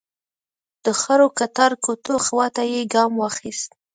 د خړو کتار کوټو خواته يې ګام واخيست.